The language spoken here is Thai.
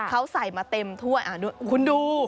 เขาใส่มาเต็มถ้วยคุณดู